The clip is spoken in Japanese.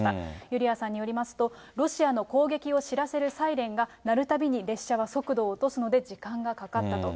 ユリアさんによりますと、ロシアの攻撃を知らせるサイレンが鳴るたびに、列車は速度を落とすので時間がかかったと。